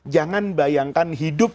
jangan bayangkan hidup